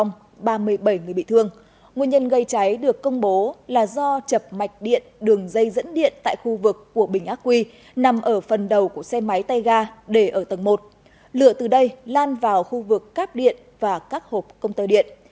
nguyên nhân gây cháy được công bố là do chập mạch điện đường dây dẫn điện tại khu vực của bình ác quy nằm ở phần đầu của xe máy tay ga để ở tầng một lựa từ đây lan vào khu vực cáp điện và các hộp công tơ điện